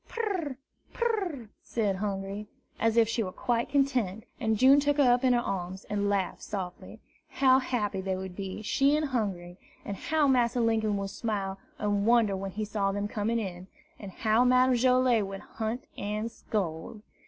"Pur! pur r r!" said Hungry, as if she were quite content; and June took her up in her arms, and laughed softly. How happy they would be, she and Hungry! and how Massa Linkum would smile and wonder when he saw them coming in! and how Madame Joilet would hunt and scold!